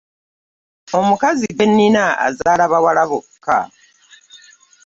Omukazi gwe nnina azaala bawala bokka.